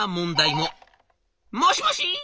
「もしもし」。